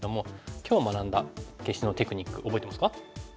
今日学んだ消しのテクニック覚えてますか？